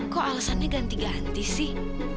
kok alasannya ganti ganti sih